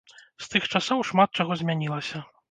З тых часоў шмат чаго змянілася.